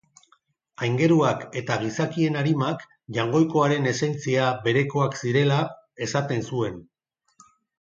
Aingeruak eta gizakien arimak Jaungoikoaren esentzia berekoak zirela esaten zuen.